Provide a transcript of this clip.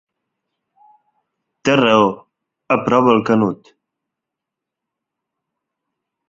Té raó, aprova el Canut.